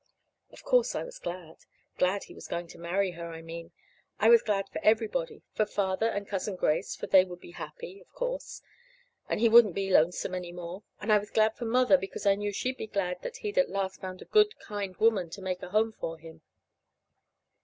Of course, I was glad glad he's going to marry her, I mean. I was glad for everybody; for Father and Cousin Grace, for they would be happy, of course, and he wouldn't be lonesome any more. And I was glad for Mother because I knew she'd be glad that he'd at last found the good, kind woman to make a home for him.